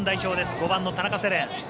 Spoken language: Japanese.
５番の田中世蓮。